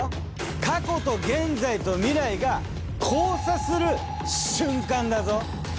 過去と現在と未来が交差する瞬間だぞ。